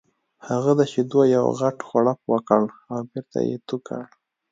هغه د شیدو یو غټ غوړپ وکړ او بېرته یې تو کړ